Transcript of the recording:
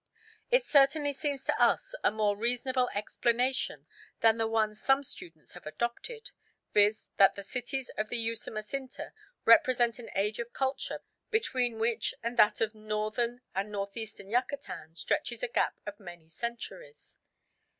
It certainly seems to us a more reasonable explanation than the one some students have adopted, viz. that the cities of the Usumacinta represent an age of culture between which and that of Northern and North Eastern Yucatan stretches a gap of many centuries.